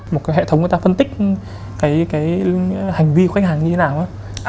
một cái hệ thống người ta phân tích cái hành vi của khách hàng như thế nào á